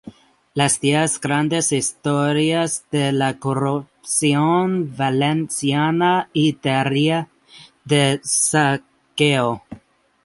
Las diez grandes historias de la corrupción valenciana"y "Tierra de saqueo.